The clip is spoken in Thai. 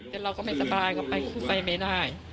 แต่เราก็ไม่สปายกว่าไปไปไม่ได้